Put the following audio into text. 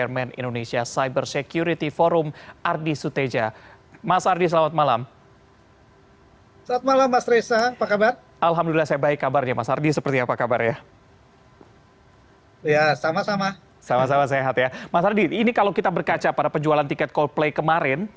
mas ardi ini kalau kita berkaca pada penjualan tiket coldplay kemarin